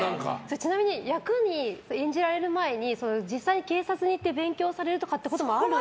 ちなみに役を演じられる前に実際に警察に行って勉強されることとかもあります？